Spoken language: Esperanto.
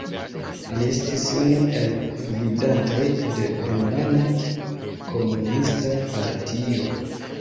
Li estis unu el gvidantoj de Rumana Komunista Partio.